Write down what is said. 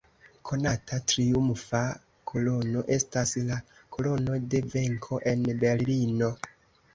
Konata triumfa kolono estas la "kolono de venko" en Berlino.